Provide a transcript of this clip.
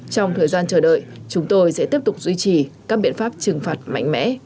trong thời gian chờ đợi chúng tôi sẽ tiếp tục duy trì các biện pháp trừng phạt mạnh mẽ